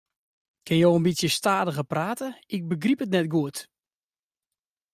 Kinne jo in bytsje stadiger prate, ik begryp it net goed.